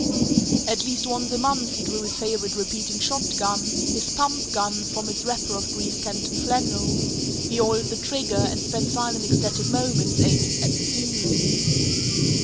At least once a month he drew his favorite repeating shotgun, his "pump gun," from its wrapper of greased canton flannel; he oiled the trigger, and spent silent ecstatic moments aiming at the ceiling.